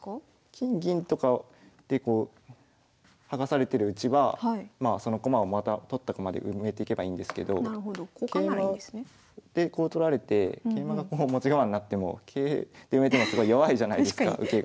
金銀とかで剥がされてるうちはまあその駒をまた取った駒で埋めてけばいいんですけど桂馬で取られて桂馬がこう持ち駒になっても桂で埋めてもすごい弱いじゃないですか受けが。